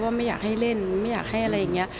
ไม่อยากให้เล่นไม่อยากให้อะไรอย่างนี้